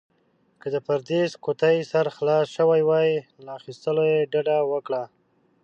که د پرېس قوطي سر خلاص شوی وي، له اخيستلو يې ډډه وکړئ.